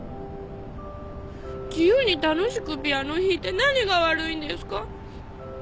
自由に楽しくピアノ弾いて何が悪いんですか？